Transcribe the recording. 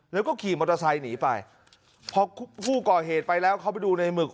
แล้วก็ขี่มอเตอร์ไซค์หนีไปพอผู้ก่อเหตุไปแล้วเขาไปดูในหมึก